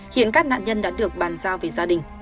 hiện các nạn nhân đã được bàn giao về gia đình